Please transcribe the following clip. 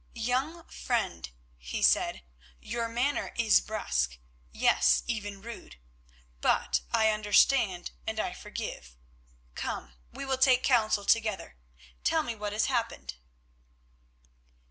"Young friend," he said, "your manner is brusque, yes, even rude. But I understand and I forgive. Come, we will take counsel together. Tell me what has happened."